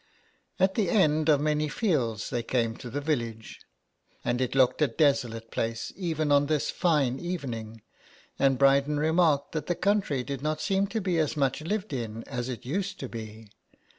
At the end of many fields they came to the village, and it looked a desolate place, even on this fine even ing, and Bryden remarked that the county did not seem to be as much lived in as it used to be.